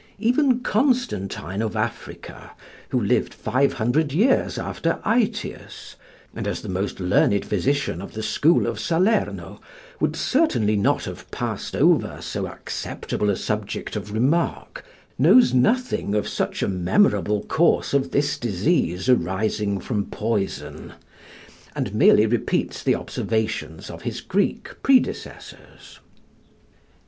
Even Constantine of Africa, who lived 500 years after Aetius, and, as the most learned physician of the school of Salerno, would certainly not have passed over so acceptable a subject of remark, knows nothing of such a memorable course of this disease arising from poison, and merely repeats the observations of his Greek predecessors.